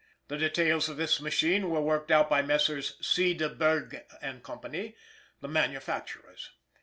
The details of this machine were worked out by Messrs. C. de Bergue & Co., the manufacturers.